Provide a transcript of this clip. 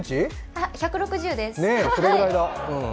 あ、１６０です。